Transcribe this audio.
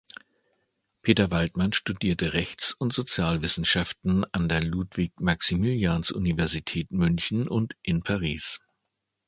Peter Waldmann studierte Rechts- und Sozialwissenschaften an der Ludwig-Maximilians-Universität München und in Paris.